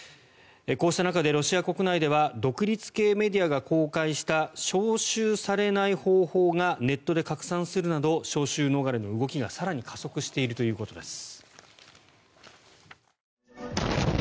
こうした中でロシア国内では独立系メディアが公開した招集されない方法がネットで拡散するなど招集逃れの動きが更に加速しているということです。